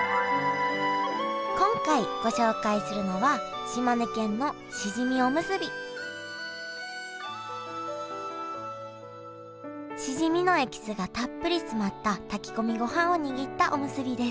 今回ご紹介するのはしじみのエキスがたっぷり詰まった炊き込みごはんを握ったおむすびです。